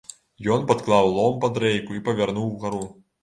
Ён падклаў лом пад рэйку і павярнуў угару.